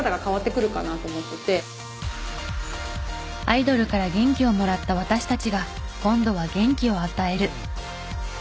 アイドルから元気をもらった私たちが今度は元気を与える。